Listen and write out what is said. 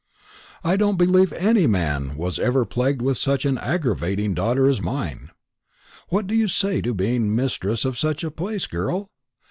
"I don't believe any man was ever plagued with such an aggravating daughter as mine. What do you say to being mistress of such a place, girl?